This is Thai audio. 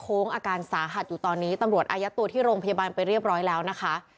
อาการสาหัสอยู่ตอนนี้ตำรวจอายัดตัวที่โรงพยาบาลไปเรียบร้อยแล้วนะคะ